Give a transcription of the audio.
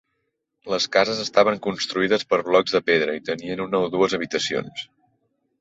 Les cases estaven construïdes per blocs de pedra i tenien una o dues habitacions.